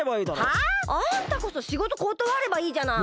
はあ？あんたこそしごとことわればいいじゃない。